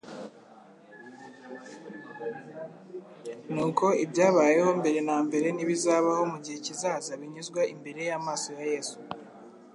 Nuko ibyabayeho mbere na mbere n'ibizabaho mu gihe kizaza binyuzwa imbere y'amaso ya Yesu.